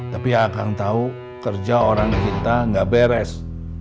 tapi akang tahu kerja orang kita gak beres